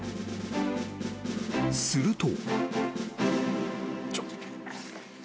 ［すると］